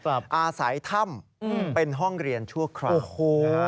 อาศัยถ้ำเป็นห้องเรียนชั่วคราวโอ้โห